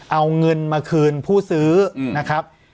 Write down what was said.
เอาเงินมาคืนผู้ซื้อนะครับ